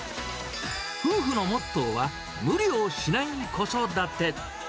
夫婦のモットーは、無理をしない子育て。